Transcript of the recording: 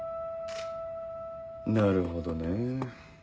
なるほどねぇ。